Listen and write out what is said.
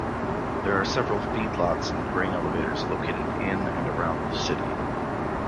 There are several feedlots and grain elevators located in and around the city.